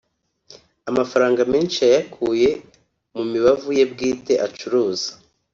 Amafaranga menshi yayakuye mu mibavu ye bwite acuruza